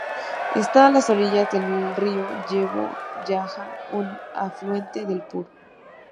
Está a orillas del río Yevo-yaja, un afluente del Pur.